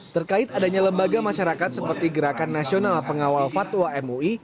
terkait adanya lembaga masyarakat seperti gerakan nasional pengawal fatwa mui